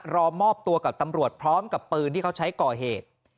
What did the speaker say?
รอมอบตัวกับตำรวจพร้อมกับปืนที่เขาใช้ก่อเหตุ